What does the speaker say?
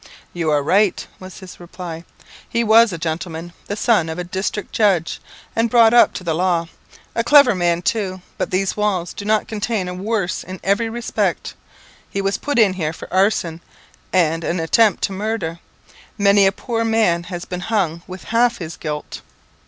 "You are right," was his reply. "He was a gentleman, the son of a district judge, and brought up to the law. A clever man too; but these walls do not contain a worse in every respect. He was put in here for arson, and an attempt to murder. Many a poor man has been hung with half his guilt."